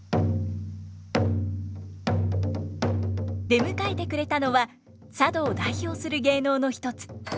出迎えてくれたのは佐渡を代表する芸能の一つ鬼太鼓。